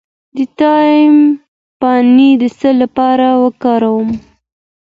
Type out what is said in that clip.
د تایم پاڼې د څه لپاره وکاروم؟